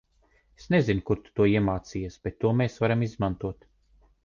Es nezinu kur tu to iemācījies, bet to mēs varam izmantot.